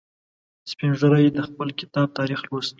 سپین ږیری د خپل کتاب تاریخ لوست.